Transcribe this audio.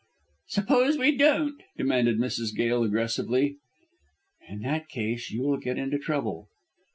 "Suppose we don't?" demanded Mrs. Gail aggressively. "In that case you will get into trouble."